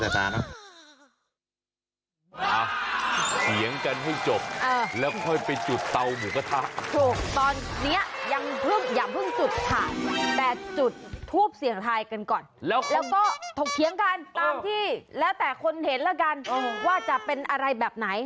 แต่จุดทูปเสียงทายกันก่อนแล้วก็ถกเถียงกันตามที่แล้วแต่คนเห็นแล้วกันว่าจะเป็นอะไรแบบไหน